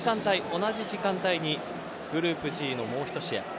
同じ時間帯にグループＧのもう一試合